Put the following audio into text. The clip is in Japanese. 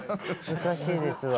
難しいですわ。